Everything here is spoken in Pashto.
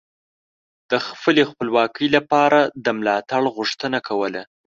د خپلې خپلواکۍ لپاره د ملاتړ غوښتنه کوله